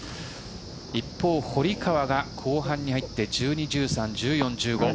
一方、堀川が後半に入って１２、１３、１４、１５。